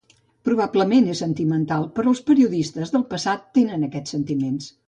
Probablement es sentimental, però els periodistes del passat tenen aquests sentiments.